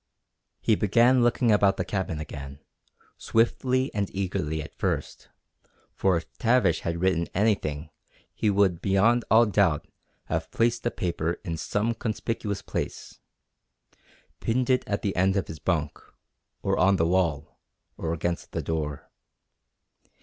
He began looking about the cabin again, swiftly and eagerly at first, for if Tavish had written anything he would beyond all doubt have placed the paper in some conspicuous place: pinned it at the end of his bunk, or on the wall, or against the door.